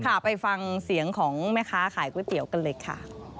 ไปฟังเสียงของแม่ค้าขายก๋วยเตี๋ยวกันเลยค่ะ